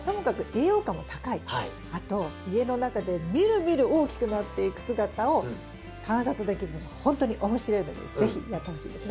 あと家の中でみるみる大きくなっていく姿を観察できるのがほんとに面白いので是非やってほしいですね。